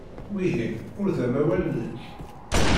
Wihin ur d amawal-nnek?